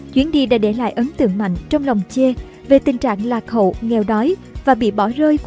chuyến đi đã để lại ấn tượng mạnh trong lòng chê về tình trạng lạc hậu nghèo đói và bị bỏ rơi